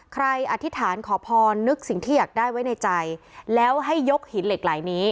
อธิษฐานขอพรนึกสิ่งที่อยากได้ไว้ในใจแล้วให้ยกหินเหล็กไหล่นี้